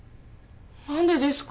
何でですか！？